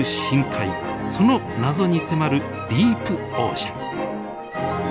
その謎に迫る「ディープオーシャン」。